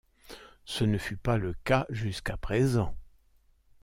Ce ne fut pas le cas jusqu'à présent.